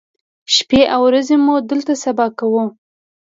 شپې او ورځې مو دلته سبا کوو.